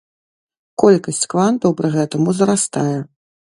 Колькасць квантаў пры гэтым узрастае.